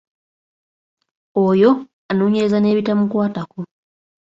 Oyo anoonyereza n'ebitamukwatako.